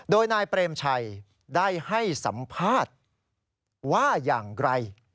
โดยนายเปรมชัยได้ให้สัมภาษณ์ว่าอย่างไร